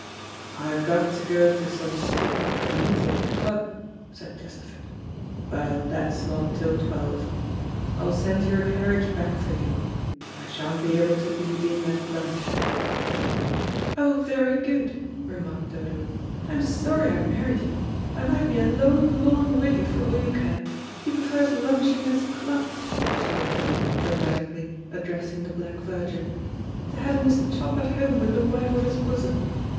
"I've got to go to some stupid committee at the club," said Chesterford, "but that's not till twelve. I'll send your carriage back for you, but I sha'n't be able to be in at lunch." "Oh, very good," remarked Dodo. "I'm sorry I married you. I might be a lone lorn widdy for all you care. He prefers lunching at his club," she went on, dramatically, addressing the black virgin, "to having his chop at home with the wife of his bosom.